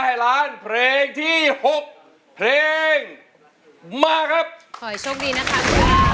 ให้ล้านเพลงที่หกเพลงมาครับขอให้โชคดีนะครับ